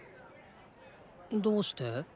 どうして。